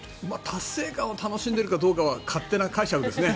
達成感を楽しんでいるかどうかは勝手な解釈ですね。